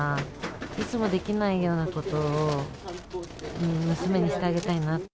いつもできないようなことを娘にしてあげたいなって。